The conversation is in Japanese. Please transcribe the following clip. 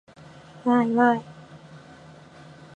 わーいわーい